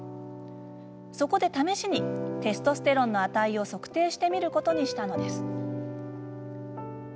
そこで、試しにテストステロンの値を測定してみることにしたのです。